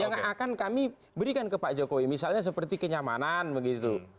yang akan kami berikan ke pak jokowi misalnya seperti kenyamanan begitu